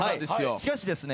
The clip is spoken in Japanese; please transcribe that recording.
しかしですね